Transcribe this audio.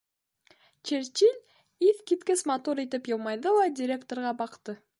Черчилль иҫ киткес матур итеп йылмайҙы ла директорға баҡты: